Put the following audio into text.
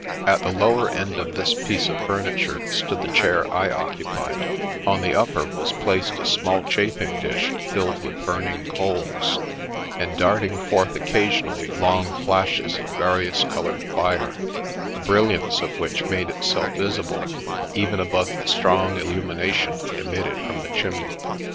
At the lower end of this piece of furniture stood the chair I occupied ; on the upper was placed a small chafing dish filled with burning coals, and darting forth occasionally long flashes of various coloured fire, the brilliance of which made itself visible, even above the strong illumination emitted from the chimney.